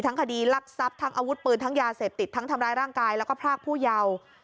คดีลักทรัพย์ทั้งอาวุธปืนทั้งยาเสพติดทั้งทำร้ายร่างกายแล้วก็พรากผู้เยาว์